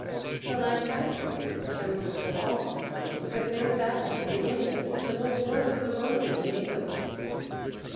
The Lancastrians chose a Provence rose as their badge at the beginning of the Civil Wars of the Roses in England.